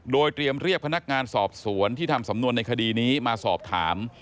โดยเตรียมเรียกพนักงานสอบสวนที่ทำสำนวนในคดีนี้มาสอบถาม